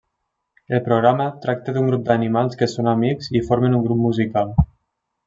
El programa tracta d'un grup d'animals que són amics i formen un grup musical.